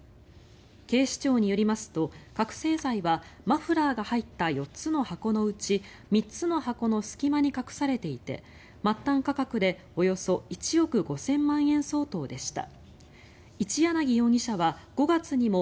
警視庁によりますと覚醒剤はマフラーが入った４つの箱のうち３つの箱の隙間に隠されていて末端価格でおよそ１億５０００万円相当でした。